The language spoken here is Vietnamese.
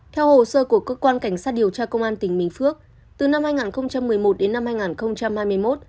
theo hồ sơ của cơ quan cảnh sát điều tra công an tỉnh bình phước từ năm hai nghìn một mươi một đến năm hai nghìn hai mươi một